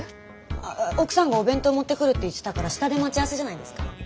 ああ奥さんがお弁当持ってくるって言ってたから下で待ち合わせじゃないですか？